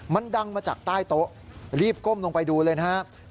มันดังมาจากใต้โต๊ะรีบก้มลงไปดูเลยนะครับ